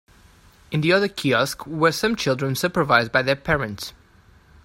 In the other kiosk were some children supervised by their parents.